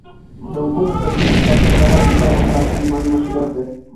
د اوبو د سرچینو ساتنه د هر انسان اخلاقي او ایماني مسؤلیت دی.